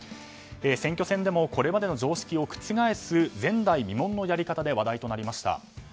選挙戦でもこれまでの常識を覆す前代未聞のやり方で話題となりました。